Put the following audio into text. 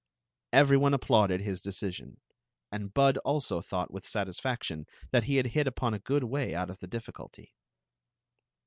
*' Every one applauded his decision, and Bud dso thought with satisfaction that he had hit upon a good way out of the difficuhy.